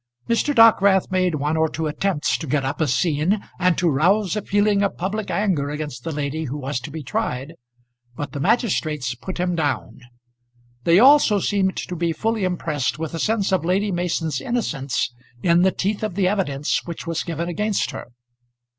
Mr. Dockwrath made one or two attempts to get up a scene, and to rouse a feeling of public anger against the lady who was to be tried; but the magistrates put him down. They also seemed to be fully impressed with a sense of Lady Mason's innocence in the teeth of the evidence which was given against her.